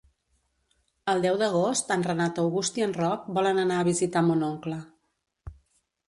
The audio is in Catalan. El deu d'agost en Renat August i en Roc volen anar a visitar mon oncle.